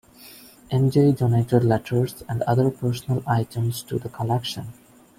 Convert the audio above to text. Ende donated letters and other personal items to the collection.